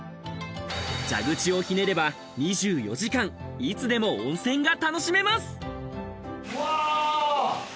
蛇口をひねれば、２４時間いつでも温泉が楽しめます。